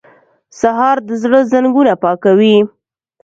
سهار د زړه زنګونه پاکوي.